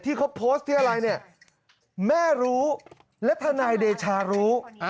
ที่เขาโพสต์ที่อะไรเนี่ยแม่รู้และทนายเดชารู้